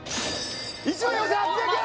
１４８００円！